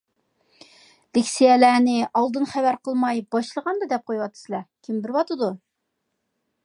لېكسىيەلەرنى ئالدىن خەۋەر قىلماي باشلىغاندا دەپ قويۇۋاتىسىلەر. كىم بېرىۋاتىدۇ؟